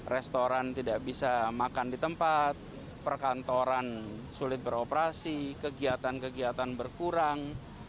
restoran tidak bisa makan di tempat perkantoran sulit beroperasi kegiatan kegiatan berkurang